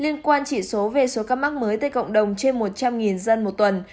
liên quan chỉ số về số các mắc mới tới cộng đồng trên một trăm linh dân một tuần